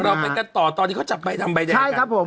พอเรามาเป็นกันตอนนี้เขาจับใบดำใบแดนกัน